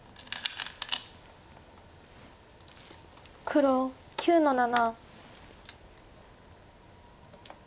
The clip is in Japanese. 黒９の七。